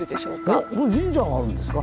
おっ神社があるんですか。